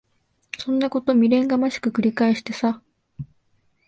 そんなこと未練がましく繰り返してさ。